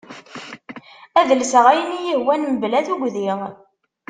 Ad lseɣ ayen iyi-hwan mebla tugdi.